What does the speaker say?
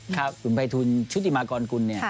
คุณภัยทุนชุธิมากรกุลเนี่ย